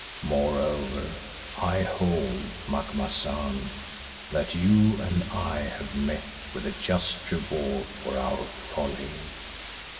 Moreover I hold, Macumazahn, that you and I have met with a just reward for our folly.